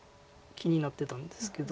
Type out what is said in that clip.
気になってたんですけど。